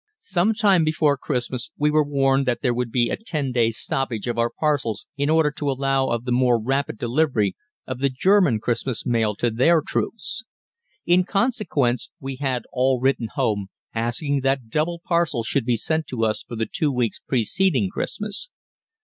Some time before Christmas we were warned that there would be a ten days' stoppage of our parcels in order to allow of the more rapid delivery of the German Christmas mail to their troops. In consequence we had all written home asking that double parcels should be sent us for the two weeks preceding Christmas.